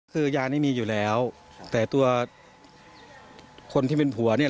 คือยานี้มีอยู่แล้วแต่ตัวคนที่เป็นผัวเนี่ย